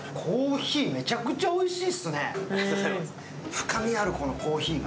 深みある、このコーヒーが。